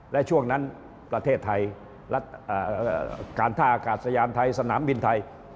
และช่วงนั้นประเทศไทยการท่าอากาศยานไทยสนามบินไทย